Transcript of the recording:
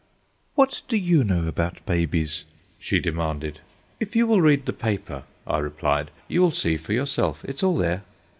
"What do you know about babies?" she demanded. "If you will read the paper," I replied, "you will see for yourself. It's all there."